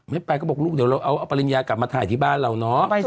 ไม่ไปก็บอกลูกเดี๋ยวเราเอาปริญญากลับมาถ่ายที่บ้านเราเนาะ